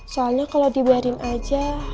soalnya kalau dibiarin aja